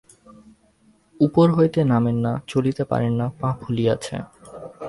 উপর হইতে নামেন না, চলিতে পারেন না, পা ফুলিয়াছে।